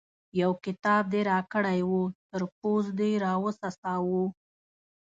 يو کتاب دې راکړی وو؛ تر پوست دې راوڅڅاوو.